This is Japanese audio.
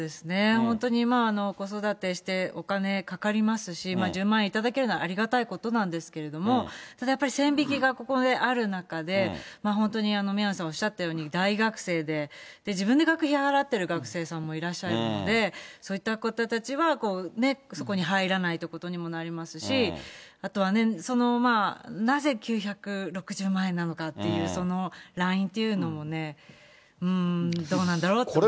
本当にまあ、子育てしてお金かかりますし、１０万円頂けるなら、ありがたいことなんですけれども、ただやっぱり、線引きがここである中で、本当に宮根さんおっしゃったように、大学生で、自分で学費払ってる学生さんもいらっしゃるので、そういった方たちは、そこに入らないっていうことにもなりますし、あとはね、なぜ９６０万円なのかっていう、そのラインっていうのもね、どうなんだろうって思いますね。